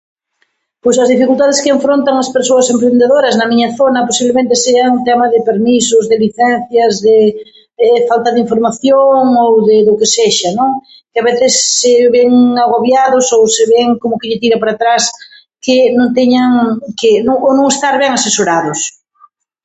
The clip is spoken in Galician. Pois as dificultades que enfrontan as persoas emprendedoras na miña zona, posiblemente, sean tema de permisos, de licencias, de falta de información ou de do que sexa, non?, que a veces se ven agobiados ou se ven, como que lle tira para atrás que non teñan, que no o non estar ben asesorados.